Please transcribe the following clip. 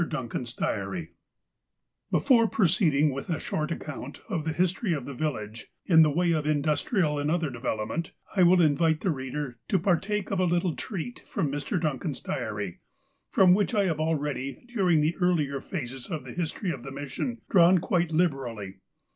DUNCAN'S DIARY BEFORE proceeding with a short account of the history of the village, in the way of industrial and other development, I will invite the reader to par take of a little treat from Mr. Duncan's diary, from which I have already, during the earlier phases of the history of the mission, drawn quite liberally.